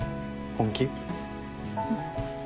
本気。